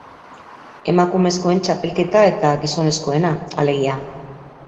Emakumezkoen txapelketa eta gizonezkoena, alegia.